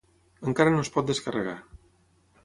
Encara no es pot descarregar.